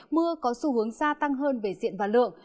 mưa có xu hướng gia tăng hơn về diện và lượng